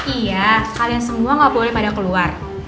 iya kalian semua gak boleh pada keluar